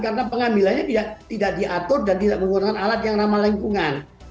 karena pengambilannya tidak tidak diatur dan tidak menggunakan alat yang ramah lingkungan